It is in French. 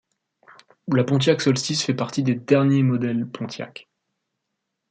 La Pontiac Solstice fait partie des derniers modèles Pontiac.